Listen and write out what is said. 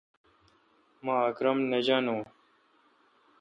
مہ اکرم نہ جانوُن۔